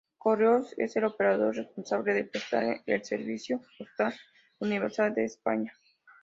Correos es el operador responsable de prestar el Servicio Postal Universal en España.